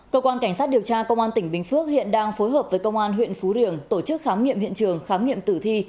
cơ quan cảnh sát điều tra công an tỉnh bình phước hiện đang phối hợp với công an huyện phú riềng tổ chức khám nghiệm hiện trường khám nghiệm tử thi